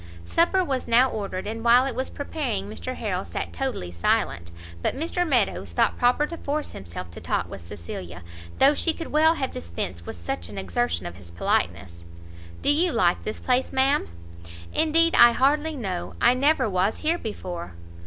Supper was now ordered, and while it was preparing Mr Harrel sat totally silent; but Mr Meadows thought proper to force himself to talk with Cecilia, though she could well have dispensed with such an exertion of his politeness. "Do you like this place, ma'am?" "Indeed I hardly know, I never was here before."